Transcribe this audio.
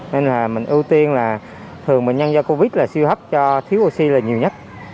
nên là mình ưu tiên là thường bệnh nhân do covid là siêu hấp cho thiếu oxy là nhiều nhất